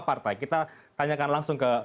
partai kita tanyakan langsung ke